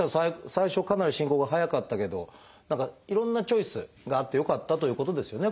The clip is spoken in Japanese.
最初かなり進行が速かったけど何かいろんなチョイスがあってよかったということですよね